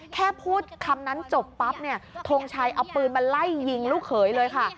แค่พูดคำนั้นจบปั๊บเนี่ยทงชัยเอาปืนมาไล่ยิงลูกเขยเลยค่ะ